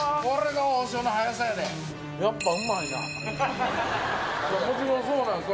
やっぱもちろんそうなんです